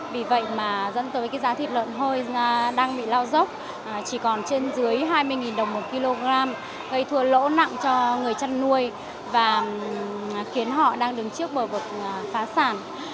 vì vậy mà dẫn tới cái giá thịt lợn hơi đang bị lao dốc chỉ còn trên dưới hai mươi đồng một kg gây thua lỗ nặng cho người chăn nuôi và khiến họ đang đứng trước bờ vực phá sản